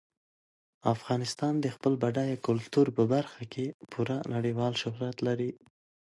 افغانستان د خپل بډایه کلتور په برخه کې پوره نړیوال شهرت لري.